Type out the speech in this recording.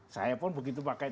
saya pun begitu pakai